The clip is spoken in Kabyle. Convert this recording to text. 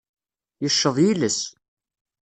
Yeceḍ yiles.